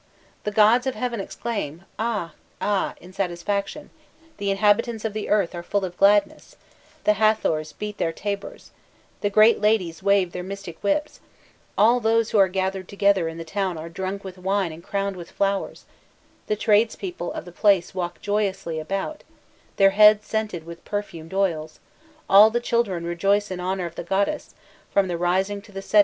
"The gods of heaven exclaim 'Ah! ah! 'in satisfaction, the inhabitants of the earth are full of gladness, the Hâthors beat their tabors, the great ladies wave their mystic whips, all those who are gathered together in the town are drunk with wine and crowned with flowers; the tradespeople of the place walk joyously about, their heads scented with perfumed oils, all the children rejoice in honour of the goddess, from the rising to the setting of the sun."